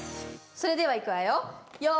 それではいくわよ。